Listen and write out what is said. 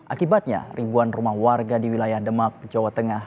akibatnya ribuan rumah warga di wilayah demak jawa tengah